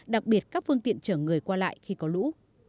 đặc biệt các phương tiện chở người qua lại khi có lũ